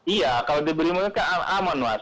iya kalau di brimob kan aman mas